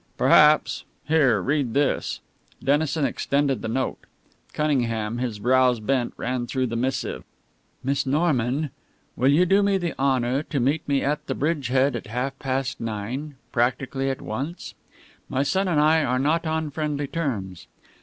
"Perhaps. Here, read this." Dennison extended the note. Cunningham, his brows bent, ran through the missive. MISS NORMAN: Will you do me the honour to meet me at the bridgehead at half past nine practically at once? My son and I are not on friendly terms.